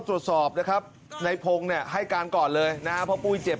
โทรสอบนะครับในพงเนี่ยให้กาลกอดเลยนะพอปุ้ยเจ็บ